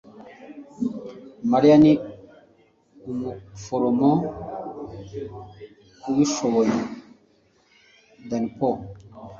mariya ni umuforomo ubishoboye (danepo)